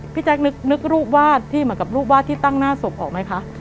แจ๊คนึกรูปวาดที่เหมือนกับรูปวาดที่ตั้งหน้าศพออกไหมคะ